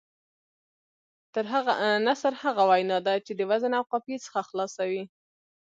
نثر هغه وینا ده، چي د وزن او قافيې څخه خلاصه وي.